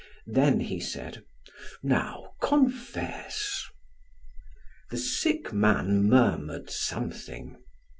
Then he said: "Now, confess." The sick man murmured something.